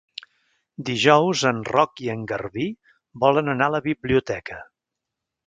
Dijous en Roc i en Garbí volen anar a la biblioteca.